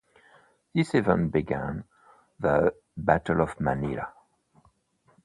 This event began the Battle of Manilla.